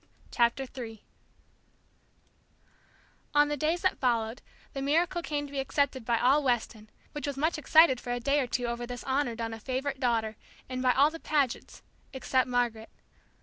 CHAPTER III On the days that followed, the miracle came to be accepted by all Weston, which was much excited for a day or two over this honor done a favorite daughter, and by all the Pagets, except Margaret.